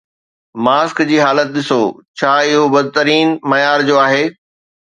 Mask جي حالت ڏسو، ڇا اهو بدترين معيار جو آهي.